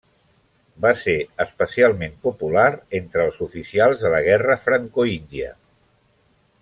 Va ser especialment popular entre els oficials de la Guerra Franco-Índia.